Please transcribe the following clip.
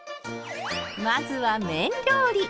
まずは麺料理。